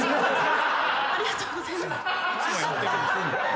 ありがとうございます。